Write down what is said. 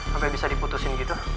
sampai bisa diputusin gitu